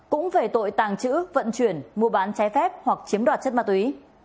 cũng về tội tàng trữ vận chuyển mua bán trái phép hoặc chiếm đoạt chất ma túy